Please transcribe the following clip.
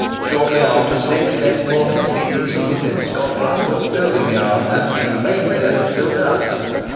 Shortly after six next morning Stephenson was in Scott Russell's building yard, and he remained there until dusk.